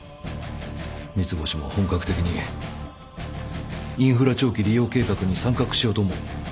三ツ星も本格的にインフラ長期利用計画に参画しようと思う。